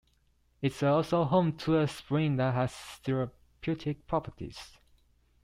It is also home to a spring that has therapeutic properties.